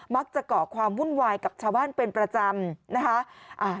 มักจะเกาะความหุ้นวายกับชาวบ้านเป็นประจำ